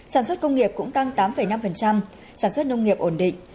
sản xuất công nghiệp cũng tăng tám năm sản xuất nông nghiệp ổn định